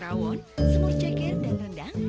rawon semur cekir dan rendang